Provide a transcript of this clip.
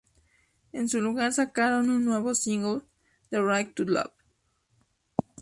En su lugar, sacaron un nuevo single, "The Right To Love!